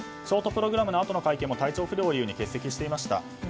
ショートプログラムのあとの会見も体調不良を理由に欠席していました。